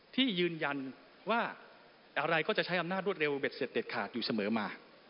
ที่ยืนยันว่าอะไรก็จะใช้อำนาจรวดเร็วเด็ดเสร็จเด็ดขาดอยู่เสมอมา